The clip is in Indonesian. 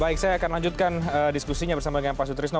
baik saya akan lanjutkan diskusinya bersama dengan pak sutrisno